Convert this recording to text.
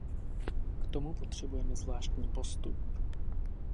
K tomu potřebujeme zvláštní postup.